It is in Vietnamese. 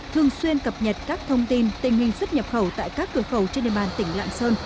thường xuyên cập nhật các thông tin tình hình xuất nhập khẩu tại các cửa khẩu trên địa bàn tỉnh lạng sơn